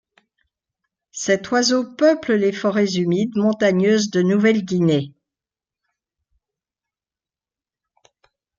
Cet oiseau peuple les forêts humides montagneuses de Nouvelle-Guinée.